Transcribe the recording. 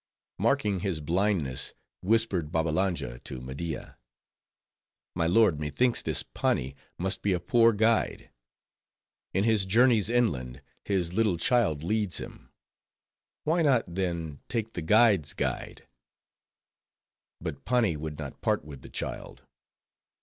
Marking his blindness, whispered Babbalanja to Media, "My lord, methinks this Pani must be a poor guide. In his journeys inland, his little child leads him; why not, then, take the guide's guide?" But Pani would not part with the child.